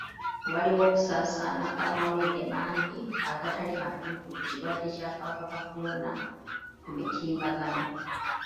Waliwo okusaasaana kw'amawulire mangi agatali matuufu ku kirwadde ky'akawuka ka kolona ku mitimbagano.